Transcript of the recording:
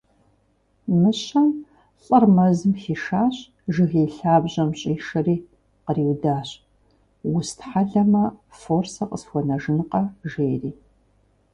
Мыщэм лӀыр мэзым хишащ, жыгей лъабжьэм щӀишэри къриудащ: - Устхьэлэмэ, фор сэ къысхуэнэжынкъэ, жери.